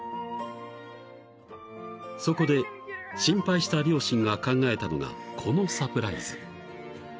［そこで心配した両親が考えたのがこのサプライズ］